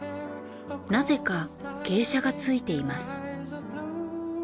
なぜか傾斜がついています。